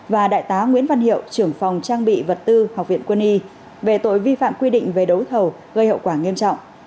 và đại tá nguyễn văn hiệu trưởng phòng trang bị vật tư học viện quân y về tội vi phạm quy định về đấu thầu gây hậu quả nghiêm trọng